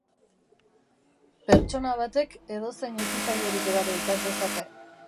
Pertsona batek edozein hezitzailerik gabe ikas dezake.